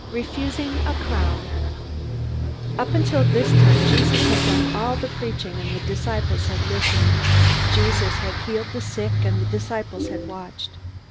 Refusing a Crown Up until this time, Jesus had done all the preaching, and the disciples had listened. Jesus had healed the sick, and the disciples had watched.